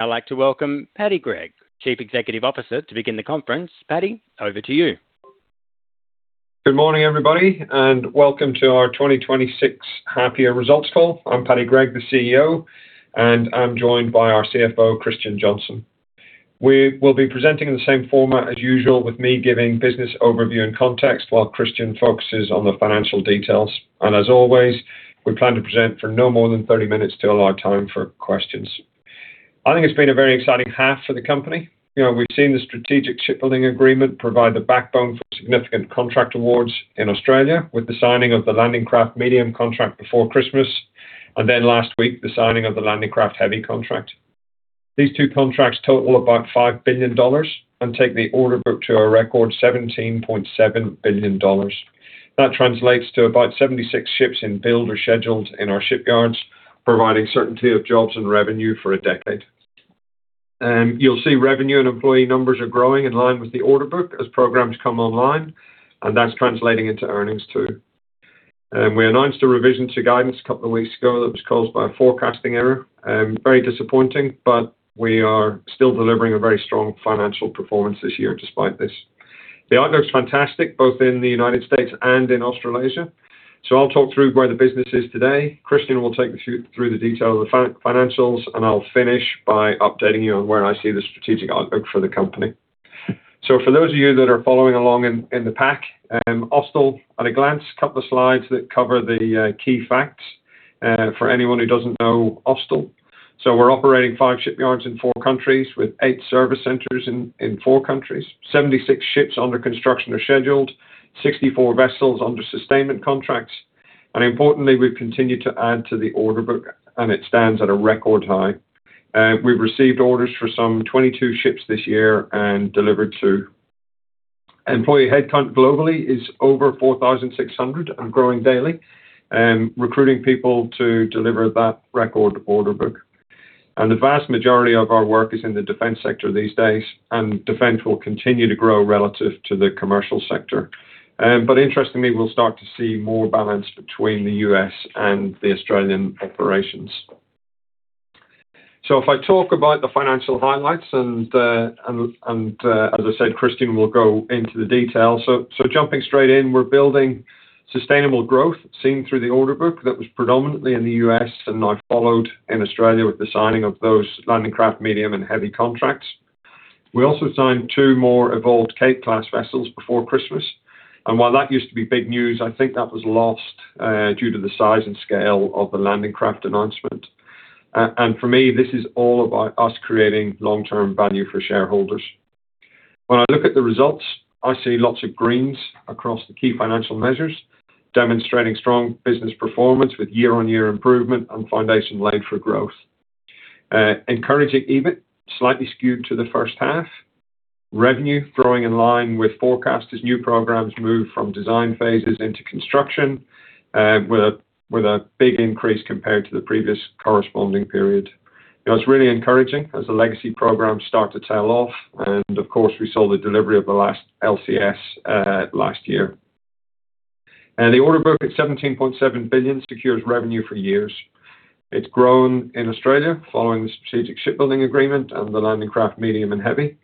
I'd like to welcome Paddy Gregg, Chief Executive Officer, to begin the conference. Paddy, over to you. Good morning, everybody, welcome to our 2026 half-year results call. I'm Paddy Gregg, the Chief Executive Officer. I'm joined by our Chief Financial Officer, Christian Johnstone. We will be presenting in the same format as usual, with me giving business overview and context, while Christian focuses on the financial details. As always, we plan to present for no more than 30 minutes to allow time for questions. I think it's been a very exciting half for the company. You know, we've seen the Strategic Shipbuilding Agreement provide the backbone for significant contract awards in Australia, with the signing of the Landing Craft Medium contract before Christmas, last week, the signing of the Landing Craft Heavy contract. These two contracts total about 5 billion dollars, take the order book to a record 17.7 billion dollars. That translates to about 76 ships in build or scheduled in our shipyards, providing certainty of jobs and revenue for a decade. You'll see revenue and employee numbers are growing in line with the order book as programs come online, and that's translating into earnings, too. We announced a revision to guidance a couple of weeks ago that was caused by a forecasting error. Very disappointing, but we are still delivering a very strong financial performance this year despite this. The outlook is fantastic, both in the United States and in Australasia, so I'll talk through where the business is today. Christian will take you through the detail of the financials, and I'll finish by updating you on where I see the strategic outlook for the company. For those of you that are following along in, in the pack, Austal at a glance, a couple of slides that cover the key facts for anyone who doesn't know Austal. We're operating five shipyards in four countries with eight service centers in, in four countries. 76 ships under construction are scheduled, 64 vessels under sustainment contracts. Importantly, we've continued to add to the order book, and it stands at a record high. We've received orders for some 22 ships this year and delivered two. Employee headcount globally is over 4,600 and growing daily, recruiting people to deliver that record order book. The vast majority of our work is in the defense sector these days, and defense will continue to grow relative to the commercial sector. Interestingly, we'll start to see more balance between the U.S. and the Australian operations. If I talk about the financial highlights and as I said, Christian will go into the detail. Jumping straight in, we're building sustainable growth seen through the order book that was predominantly in the U.S. and now followed in Australia with the signing of those Landing Craft Medium and Heavy contracts. We also signed two more Evolved Cape-class vessels before Christmas, and while that used to be big news, I think that was lost due to the size and scale of the landing craft announcement. For me, this is all about us creating long-term value for shareholders. When I look at the results, I see lots of greens across the key financial measures, demonstrating strong business performance with year-on-year improvement and foundation laid for growth. Encouraging EBITDA, slightly skewed to the first half. Revenue growing in line with forecast as new programs move from design phases into construction, with a, with a big increase compared to the previous corresponding period. You know, it's really encouraging as the legacy programs start to tail off, and of course, we saw the delivery of the last LCS last year. And the order book at $17.7 billion secures revenue for years. It's grown in Australia, following the Strategic Shipbuilding Agreement and the Landing Craft Medium and Heavy.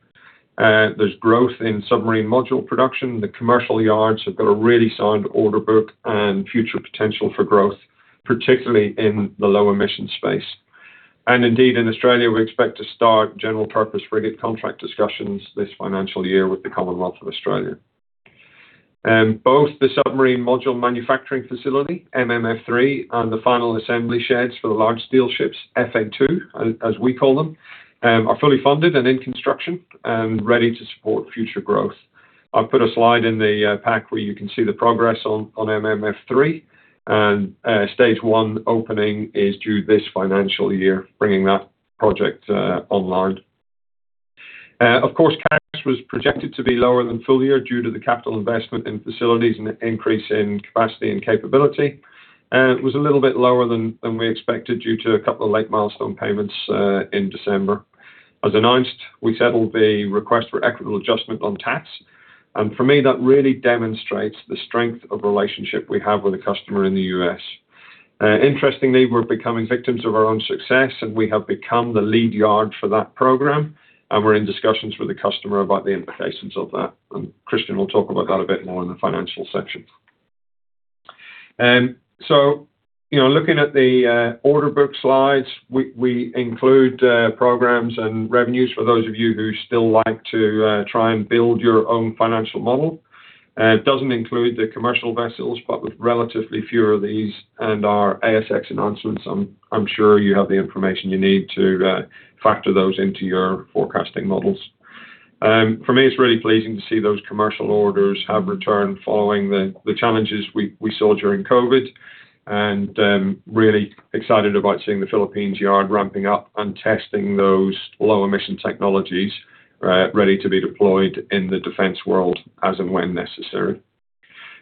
There's growth in submarine module production. The commercial yards have got a really sound order book and future potential for growth, particularly in the low-emission space. Indeed, in Australia, we expect to start general purpose frigate contract discussions this financial year with the Commonwealth of Australia. Both the submarine module manufacturing facility, MMF3, and the final assembly sheds for the large steel ships, FA2, as, as we call them, are fully funded and in construction and ready to support future growth. I've put a slide in the pack where you can see the progress on, on MMF3 and stage one opening is due this financial year, bringing that project online. Of course, cash was projected to be lower than full year due to the capital investment in facilities and an increase in capacity and capability. It was a little bit lower than, than we expected, due to a couple of late milestone payments in December. As announced, we settled the Request for Equitable Adjustment on T-ATS. For me, that really demonstrates the strength of relationship we have with the customer in the U.S. Interestingly, we're becoming victims of our own success. We have become the lead yard for that program. We're in discussions with the customer about the implications of that. Christian will talk about that a bit more in the financial section. You know, looking at the order book slides, we, we include programs and revenues for those of you who still like to try and build your own financial model. It doesn't include the commercial vessels. With relatively fewer of these and our ASX announcements, I'm, I'm sure you have the information you need to factor those into your forecasting models. For me, it's really pleasing to see those commercial orders have returned following the challenges we saw during COVID, and really excited about seeing the Philippines yard ramping up and testing those low-emission technologies, ready to be deployed in the defense world as and when necessary.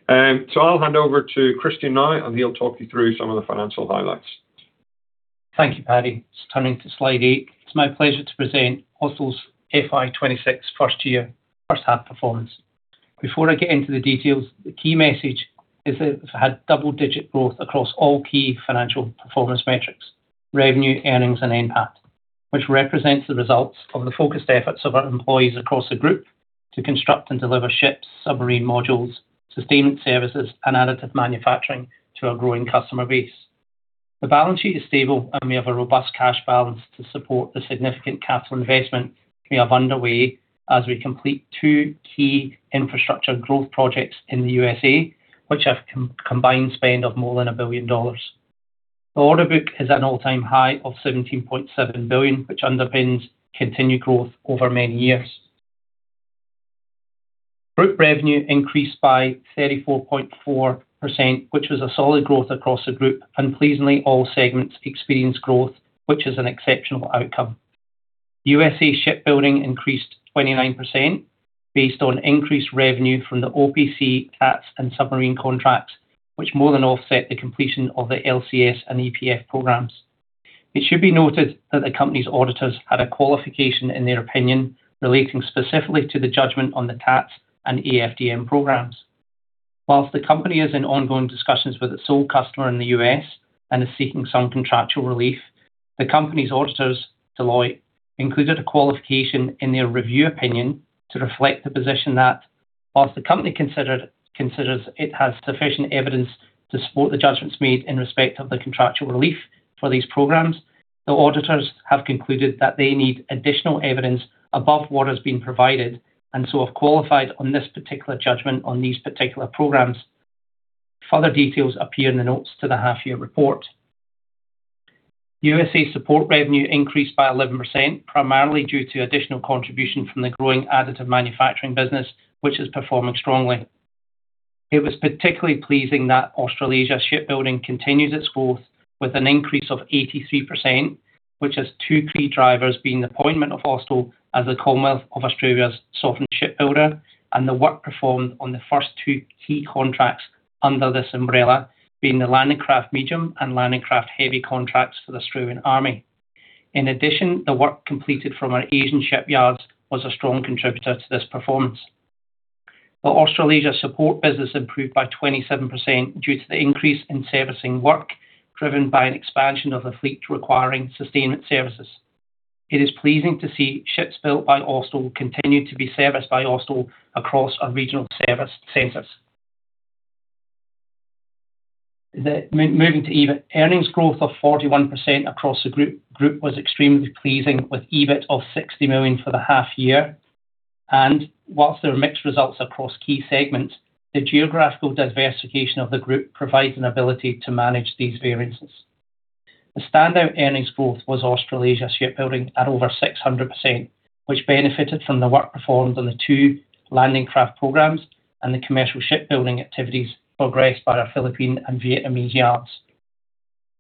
So I'll hand over to Christian now, and he'll talk you through some of the financial highlights. Thank you, Paddy. Just turning to slide eight. It's my pleasure to present Austal's FY 2026 first year, first half performance. Before I get into the details, the key message is that we've had double-digit growth across all key financial performance metrics, revenue, earnings, and NPAT, which represents the results of the focused efforts of our employees across the group to construct and deliver ships, submarine modules, sustainment services, and additive manufacturing to our growing customer base. The balance sheet is stable, and we have a robust cash balance to support the significant capital investment we have underway as we complete two key infrastructure growth projects in the USA, which have combined spend of more than 1 billion dollars. The order book is at an all-time high of 17.7 billion, which underpins continued growth over many years. Group revenue increased by 34.4%, which was a solid growth across the group. Pleasingly, all segments experienced growth, which is an exceptional outcome. USA shipbuilding increased 29% based on increased revenue from the OPC, T-ATS, and submarine contracts, which more than offset the completion of the LCS and EPF programs. It should be noted that the company's auditors had a qualification in their opinion, relating specifically to the judgment on the T-ATS and AFDM programs. Whilst the company is in ongoing discussions with its sole customer in the U.S and is seeking some contractual relief, the company's auditors, Deloitte, included a qualification in their review opinion to reflect the position that whilst the company considers it has sufficient evidence to support the judgments made in respect of the contractual relief for these programs, the auditors have concluded that they need additional evidence above what has been provided, and so have qualified on this particular judgment on these particular programs. Further details appear in the notes to the half-year report. USA support revenue increased by 11%, primarily due to additional contribution from the growing additive manufacturing business, which is performing strongly. It was particularly pleasing that Australasia Shipbuilding continues its growth with an increase of 83%, which has two key drivers being the appointment of Austal as the Commonwealth of Australia's sovereign shipbuilder, and the work performed on the first two key contracts under this umbrella, being the Landing Craft Medium and Landing Craft Heavy contracts for the Australian Army. The work completed from our Asian shipyards was a strong contributor to this performance. The Australasia support business improved by 27% due to the increase in servicing work, driven by an expansion of the fleet requiring sustainment services. It is pleasing to see ships built by Austal continue to be serviced by Austal across our regional service centers. Moving to EBITDA, earnings growth of 41% across the group was extremely pleasing, with EBITDA of 60 million for the half year. Whilst there were mixed results across key segments, the geographical diversification of the group provides an ability to manage these variances. The standout earnings growth was Australasia Shipbuilding at over 600%, which benefited from the work performed on the two landing craft programs and the commercial shipbuilding activities progressed by our Philippine and Vietnamese yards.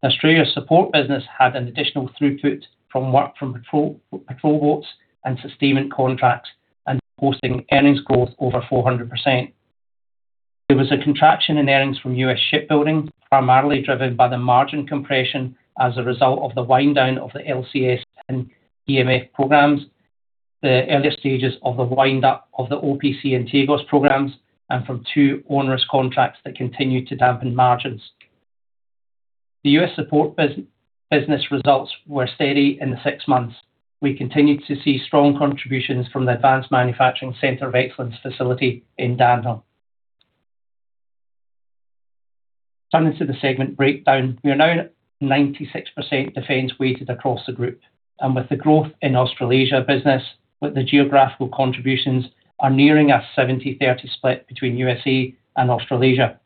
Australia support business had an additional throughput from work from patrol, patrol boats and sustainment contracts, and posting earnings growth over 400%. There was a contraction in earnings from U.S. shipbuilding, primarily driven by the margin compression as a result of the wind down of the LCS and EPF programs, the earlier stages of the wind up of the OPC and TAGOS programs, and from two onerous contracts that continue to dampen margins. The U.S. support business results were steady in the six months. We continued to see strong contributions from the Additive Manufacturing Center of Excellence facility in Danville. Turning to the segment breakdown, we are now 96% defense-weighted across the group, and with the growth in Australasia business, with the geographical contributions, are nearing a 70/30 split between USA and Australasia.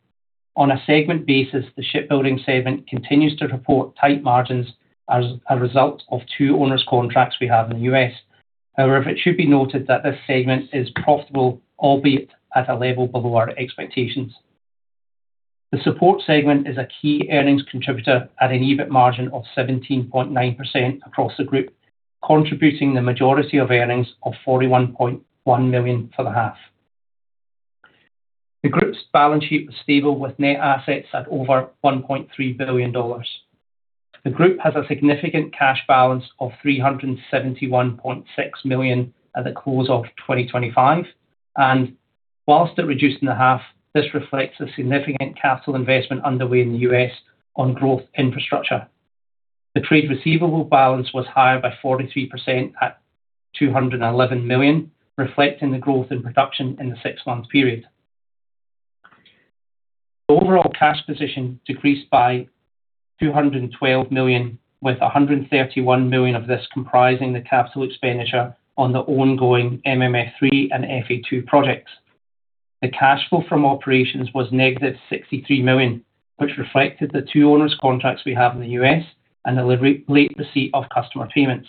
On a segment basis, the shipbuilding segment continues to report tight margins as a result of two onerous contracts we have in the U.S. However, it should be noted that this segment is profitable, albeit at a level below our expectations. The support segment is a key earnings contributor at an EBITDA margin of 17.9% across the group, contributing the majority of earnings of 41.1 million for the half. The group's balance sheet was stable, with net assets at over 1.3 billion dollars. The group has a significant cash balance of 371.6 million at the close of 2025. Whilst it reduced in the half, this reflects a significant capital investment underway in the U.S. on growth infrastructure. The trade receivable balance was higher by 43% at $211 million, reflecting the growth in production in the six-month period. The overall cash position decreased by $212 million, with $131 million of this comprising the capital expenditure on the ongoing MMF3 and FA2 projects. The cash flow from operations was -$63 million, which reflected the two onerous contracts we have in the U.S. and the late receipt of customer payments.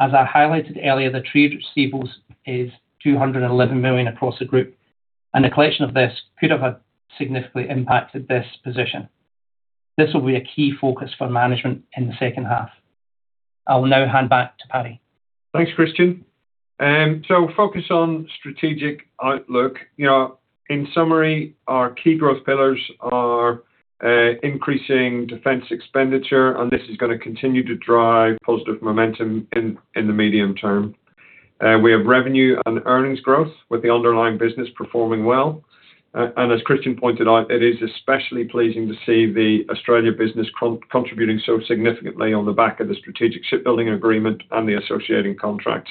As I highlighted earlier, the trade receivables is $211 million across the group. The collection of this could have significantly impacted this position. This will be a key focus for management in the second half. I will now hand back to Paddy. Thanks, Christian. Focus on strategic outlook. You know, in summary, our key growth pillars are increasing defense expenditure. This is going to continue to drive positive momentum in the medium term. We have revenue and earnings growth, with the underlying business performing well. As Christian pointed out, it is especially pleasing to see the Australia business contributing so significantly on the back of the Strategic Shipbuilding Agreement and the associating contracts,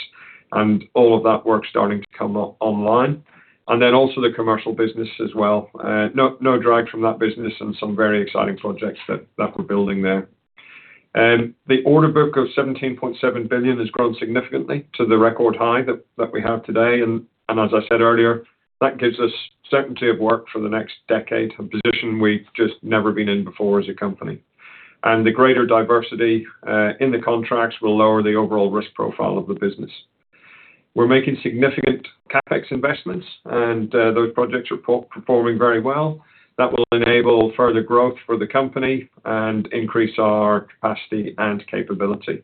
and all of that work starting to come up online. Also the commercial business as well. No, no drags from that business and some very exciting projects that we're building there. The order book of 17.7 billion has grown significantly to the record high that we have today, and as I said earlier, that gives us certainty of work for the next decade, a position we've just never been in before as a company. The greater diversity in the contracts will lower the overall risk profile of the business. We're making significant CapEx investments, and those projects are performing very well. That will enable further growth for the company and increase our capacity and capability.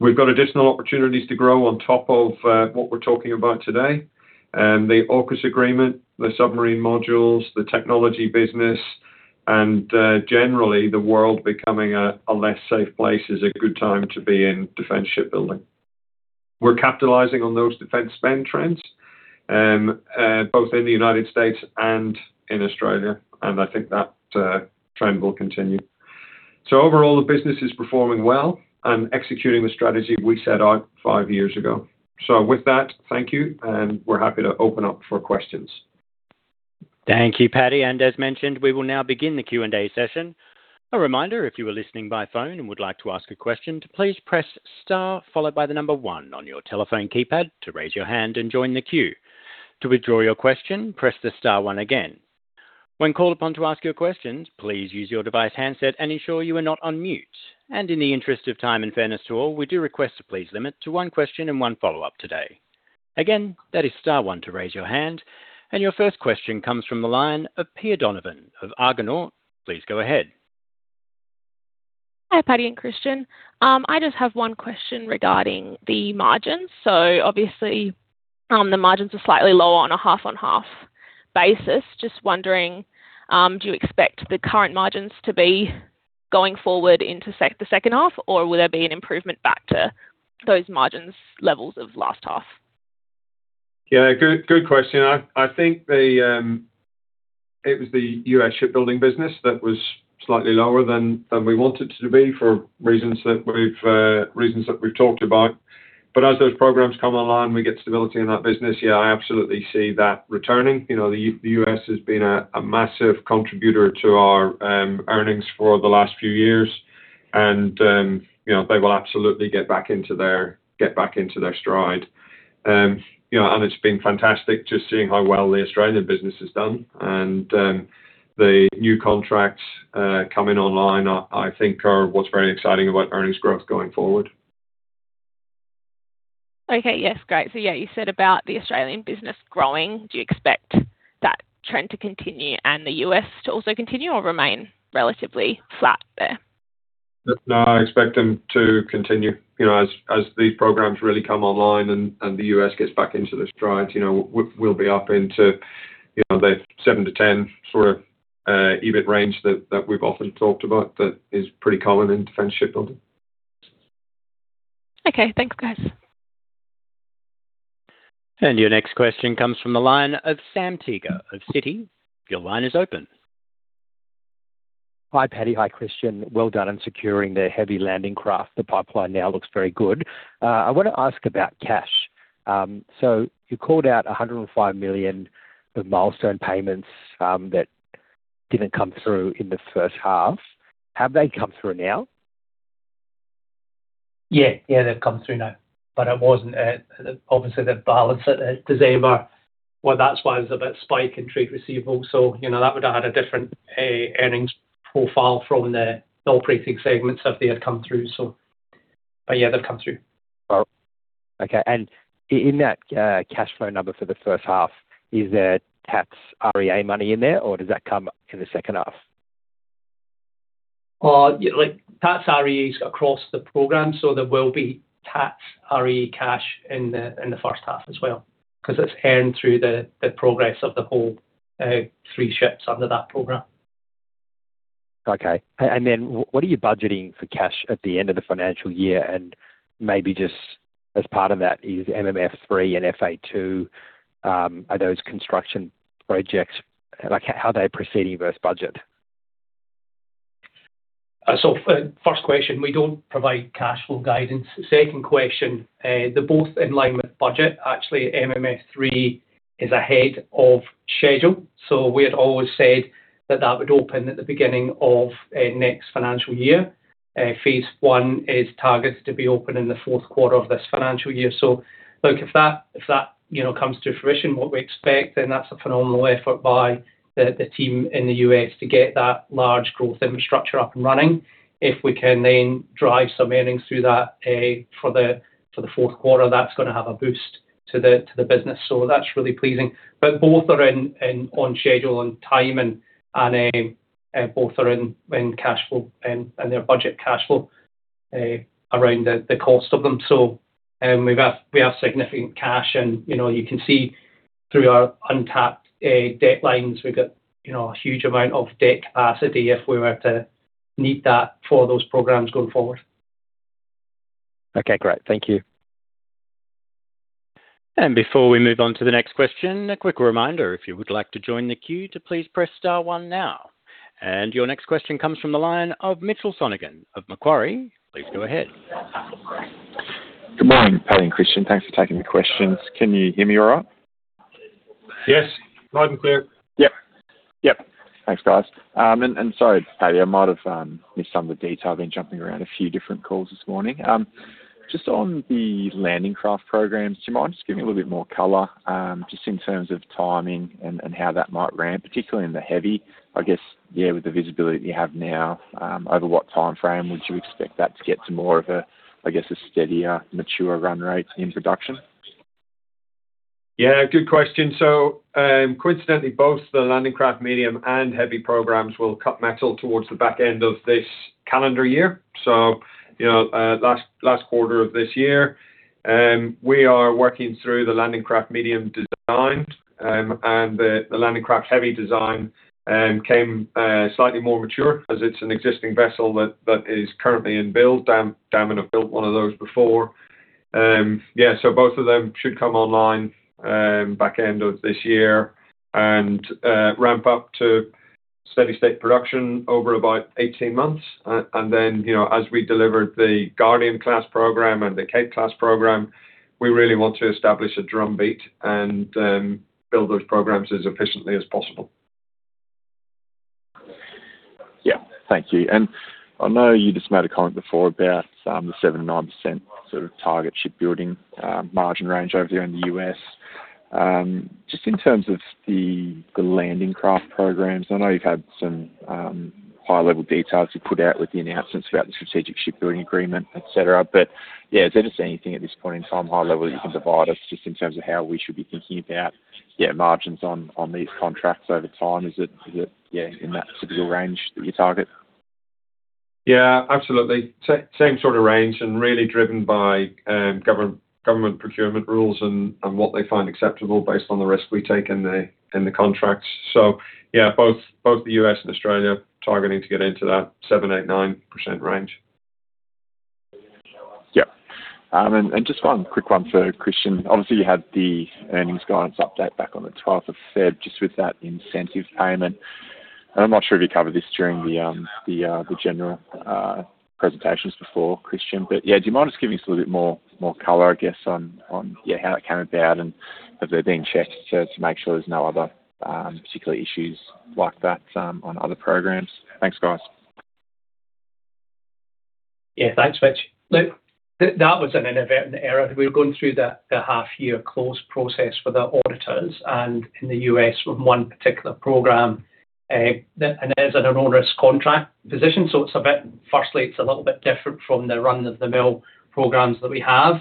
We've got additional opportunities to grow on top of what we're talking about today. The AUKUS agreement, the submarine modules, the technology business, and generally, the world becoming a less safe place is a good time to be in defense shipbuilding. We're capitalizing on those defense spend trends, both in the United States and in Australia, and I think that trend will continue. Overall, the business is performing well and executing the strategy we set out five years ago. With that, thank you, and we're happy to open up for questions. Thank you, Paddy. As mentioned, we will now begin the Q&A session. A reminder, if you are listening by phone and would like to ask a question, to please press Star followed by the number One on your telephone keypad to raise your hand and join the queue. To withdraw your question, press the Star One again. When called upon to ask your questions, please use your device handset and ensure you are not on mute. In the interest of time and fairness to all, we do request to please limit to one question and one follow-up today. Again, that is Star One to raise your hand. Your first question comes from the line of Pia Donovan of Argonaut. Please go ahead. Hi, Paddy and Christian. I just have one question regarding the margins. Obviously, the margins are slightly lower on a half-on-half basis. Wondering, do you expect the current margins to be going forward into the second half, or will there be an improvement back to those margins levels of last half? Yeah, good, good question. I, I think the, it was the U.S. shipbuilding business that was slightly lower than, than we wanted it to be for reasons that we've, reasons that we've talked about. As those programs come online, we get stability in that business. Yeah, I absolutely see that returning. You know, the U.S. has been a, a massive contributor to our, earnings for the last few years, and, you know, they will absolutely get back into their, get back into their stride. You know, it's been fantastic just seeing how well the Australian business has done. The new contracts, coming online, I, I think are what's very exciting about earnings growth going forward. Okay. Yes. Great. Yeah, you said about the Australian business growing, do you expect that trend to continue and the U.S. to also continue or remain relatively flat there? No, I expect them to continue, you know, as, as these programs really come online and, and the U.S. gets back into the stride, you know, we, we'll be up into, you know, the 7%-10% sort of EBIT range that, that we've often talked about that is pretty common in defense shipbuilding. Okay. Thanks, guys. Your next question comes from the line of Sam Teeger of Citi. Your line is open. Hi, Paddy. Hi, Christian. Well done on securing the Landing Craft Heavy. The pipeline now looks very good. I want to ask about cash. You called out 105 million of milestone payments that didn't come through in the first half. Have they come through now? Yeah. Yeah, they've come through now, but it wasn't at, obviously, the balance at December. Well, that's why there's a bit spike in trade receivables. You know, that would've had a different earnings profile from the operating segments if they had come through, so. Yeah, they've come through. Well, okay. In that cash flow number for the first half, is there tax REA money in there, or does that come in the second half? Yeah, like tax REAs across the program, so there will be tax REA cash in the, in the first half as well, 'cause it's earned through the, the progress of the whole, three ships under that program. Okay. What are you budgeting for cash at the end of the financial year? Maybe just as part of that, is MMF3 and FA2, are those construction projects, how are they proceeding versus budget? First question, we don't provide cash flow guidance. Second question, they're both in line with budget. Actually, MMF3 is ahead of schedule, so we had always said that that would open at the beginning of next financial year. phase I is targeted to be open in the fourth quarter of this financial year. Look, if that, if that, you know, comes to fruition, what we expect, then that's a phenomenal effort by the team in the U.S to get that large growth infrastructure up and running. If we can then drive some earnings through that for the fourth quarter, that's gonna have a boost to the business. That's really pleasing. Both are in, on schedule and time, and, both are in, cashflow and their budget cashflow, around the cost of them. We have, we have significant cash and, you know, through our untapped debt lines, we've got, you know, a huge amount of debt capacity if we were to need that for those programs going forward. Okay, great. Thank you. Before we move on to the next question, a quick reminder, if you would like to join the queue, to please press star one now. Your next question comes from the line of Mitchell Sonogan of Macquarie. Please go ahead. Good morning, Paddy and Christian. Thanks for taking the questions. Can you hear me all right? Yes, loud and clear. Yep. Yep. Thanks, guys. Sorry, Paddy, I might have missed some of the detail. Been jumping around a few different calls this morning. Just on the Landing Craft programs, do you mind just giving a little bit more color, just in terms of timing and how that might ramp, particularly in the Heavy, I guess, yeah, with the visibility that you have now, over what time frame would you expect that to get to more of a, I guess, a steadier, mature run rate in production? Yeah, good question. Coincidentally, both the Landing Craft Medium and Landing Craft Heavy programs will cut metal towards the back end of this calendar year. You know, last quarter of this year. We are working through the Landing Craft Medium design, and the Landing Craft Heavy design came slightly more mature as it's an existing vessel that is currently in build. Damen have built one of those before. Yeah, so both of them should come online back end of this year and ramp up to steady state production over about 18 months. Then, you know, as we deliver the Guardian-class program and the Cape-class program, we really want to establish a drum beat and build those programs as efficiently as possible. Yeah. Thank you. I know you just made a comment before about the 7%-9% sort of target shipbuilding margin range over there in the U.S. Just in terms of the landing craft programs, I know you've had some high-level details you put out with the announcements about the Strategic Shipbuilding Agreement, et cetera. Yeah, is there just anything at this point in time, high level, you can provide us, just in terms of how we should be thinking about, yeah, margins on these contracts over time? Is it, is it, yeah, in that typical range that you target? Yeah, absolutely. Same sort of range and really driven by government, government procurement rules and what they find acceptable based on the risk we take in the contracts. Yeah, both the U.S. and Australia are targeting to get into that 7%, 8%, 9% range. Yeah. Just one quick one for Christian. Obviously, you had the earnings guidance update back on the 12th of February, just with that incentive payment. I'm not sure if you covered this during the general presentations before, Christian, but, yeah, do you mind just giving us a little bit more, more color, I guess on, yeah, how it came about and have they been checked to, to make sure there's no other, particular issues like that, on other programs? Thanks, guys. Yeah, thanks, Mitch. Look, that was an inadvertent error. We were going through the half year close process with our auditors and in the U.S., with one particular program, and it was in an onerous contract position. It's a bit. Firstly, it's a little bit different from the run-of-the-mill programs that we have,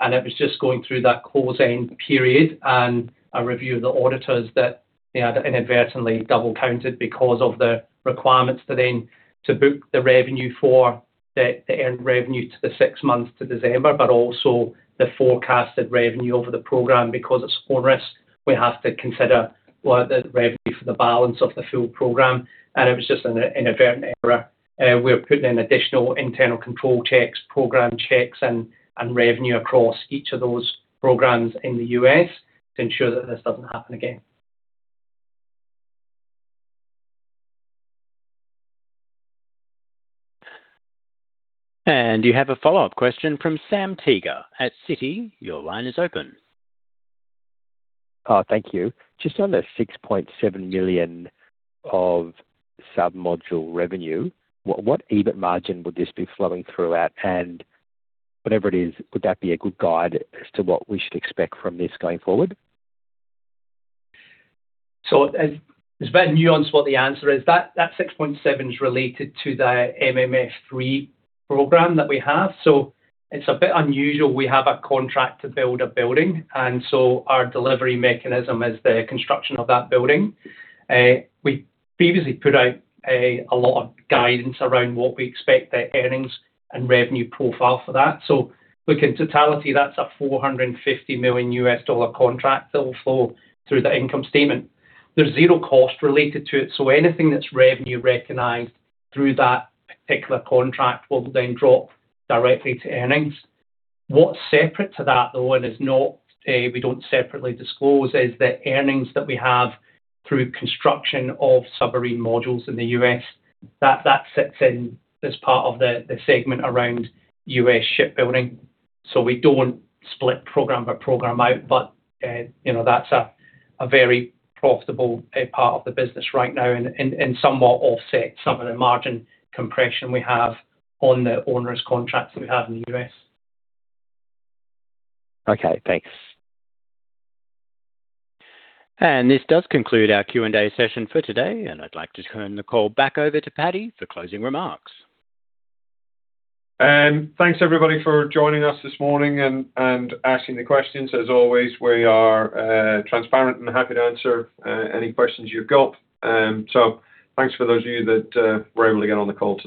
and it was just going through that closing period and a review of the auditors that they had inadvertently double counted because of the requirements to then to book the revenue for the earned revenue to the six months to December, but also the forecasted revenue over the program. Because it's onerous, we have to consider what the revenue for the balance of the full program, and it was just an inadvertent error. We're putting in additional internal control checks, program checks and, and revenue across each of those programs in the U.S. to ensure that this doesn't happen again. You have a follow-up question from Sam Teeger at Citi. Your line is open. Thank you. Just on the $6.7 million of sub-module revenue, what, what EBITDA margin would this be flowing through at? Whatever it is, would that be a good guide as to what we should expect from this going forward? It, it's very nuanced what the answer is. That, that 6.7 is related to the MMF3 program that we have. It's a bit unusual, we have a contract to build a building, and so our delivery mechanism is the construction of that building. We previously put out a, a lot of guidance around what we expect the earnings and revenue profile for that. In totality, that's a $450 million contract that will flow through the income statement. There's zero cost related to it, so anything that's revenue recognized through that particular contract will then drop directly to earnings. What's separate to that, though, and is not, we don't separately disclose, is the earnings that we have through construction of submarine modules in the U.S. That sits in as part of the segment around U.S. shipbuilding. We don't split program by program out, but, you know, that's a very profitable part of the business right now and somewhat offset some of the margin compression we have on the onerous contracts that we have in the U.S. Okay, thanks. This does conclude our Q&A session for today, and I'd like to turn the call back over to Paddy Gregg for closing remarks. Thanks, everybody, for joining us this morning and, and asking the questions. As always, we are transparent and happy to answer any questions you've got. Thanks for those of you that were able to get on the call.